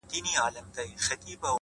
ما په لفظو کي بند پر بند ونغاړه؛